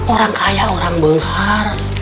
orang kaya orang berhar